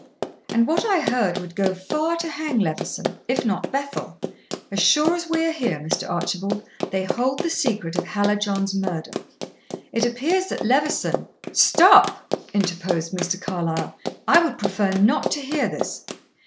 "And what I heard would go far to hang Levison, if not Bethel. As sure as we are here, Mr. Archibald, they hold the secret of Hallijohn's murder. It appears that Levison " "Stop!" interposed Mr. Carlyle. "I would prefer not to hear this.